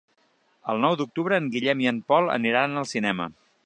El nou d'octubre en Guillem i en Pol aniran al cinema.